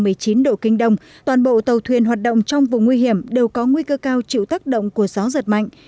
tuyến một trăm một mươi ba đến một trăm một mươi chín độ kinh đông toàn bộ tàu thuyền hoạt động trong vùng nguy hiểm đều có nguy cơ cao chịu thác động của gió giật mạnh